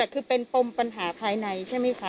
คือเป็นปมปัญหาภายในใช่ไหมคะ